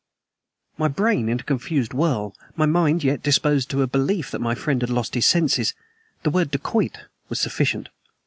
My brain in a confused whirl; my mind yet disposed to a belief that my friend had lost his senses, the word "dacoit" was sufficient.